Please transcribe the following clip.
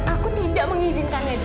aku tidak mengizinkan edo